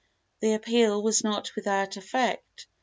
The appeal was not without effect.